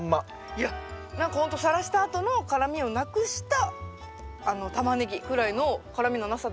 いや何かほんとさらしたあとの辛みをなくしたタマネギぐらいの「辛みのなさ」